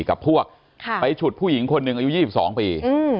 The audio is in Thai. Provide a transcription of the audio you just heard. กับพวกไปฉุดผู้หญิงคนหนึ่งอายุ๒๒ปี